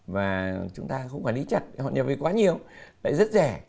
và chúng ta không quản lý chặt họ nhập về quá nhiều lại rất rẻ